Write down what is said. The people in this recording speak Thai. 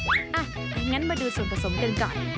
อ่ะงั้นมาดูส่วนผสมกันก่อน